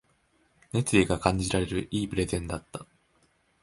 熱意が感じられる良いプレゼンだった